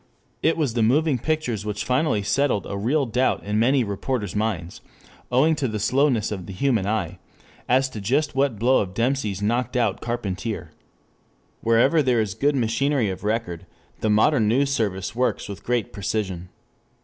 It was the moving pictures which finally settled a real doubt in many reporters' minds, owing to the slowness of the human eye, as to just what blow of Dempsey's knocked out Carpentier. Wherever there is a good machinery of record, the modern news service works with great precision.